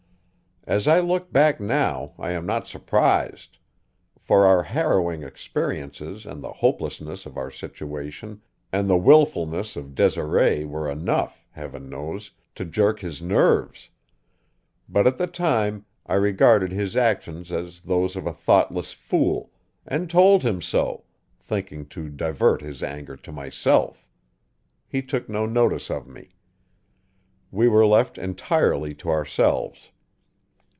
As I look back now I am not surprised; for our harrowing experiences and the hopelessness of our situation and the wilfulness of Desiree were enough, Heaven knows, to jerk his nerves; but at the time I regarded his actions as those of a thoughtless fool, and told him so, thinking to divert his anger to myself. He took no notice of me. We were left entirely to ourselves.